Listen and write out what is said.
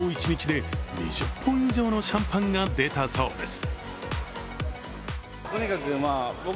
店長によると、昨日一日で２０本以上のシャンパンが出たそうです。